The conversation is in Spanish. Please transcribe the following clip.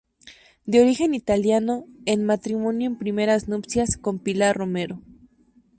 De origen italiano, en matrimonio en primeras nupcias con Pilar Romero.